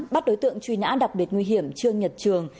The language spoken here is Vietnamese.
bắt đối tượng truy nã đặc biệt nguy hiểm trương nhật trường